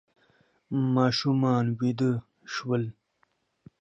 ماشومان ویده شول.